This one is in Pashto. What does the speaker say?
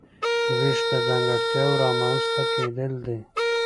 وېش د ځانګړتیاوو رامنځته کیدل دي.